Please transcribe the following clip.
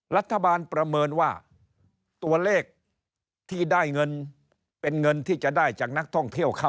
ประเมินว่าตัวเลขที่ได้เงินเป็นเงินที่จะได้จากนักท่องเที่ยวเข้า